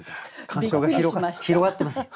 鑑賞が広がってます。